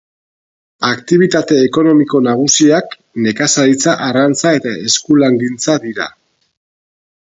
Aktibitate ekonomiko nagusiak nekazaritza, arrantza eta eskulangintza dira.